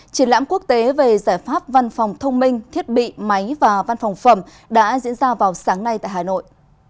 triển lãm quốc tế về giải pháp văn phòng thông minh thiết bị máy và văn phòng phẩm đã diễn ra vào sáng nay tại hà nội